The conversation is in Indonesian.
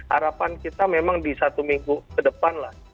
harapan kita memang di satu minggu ke depan lah